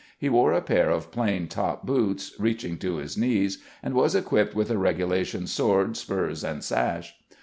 He wore a pair of plain top boots, reaching to his knees, and was equipped with a regulation sword, spurs, and sash.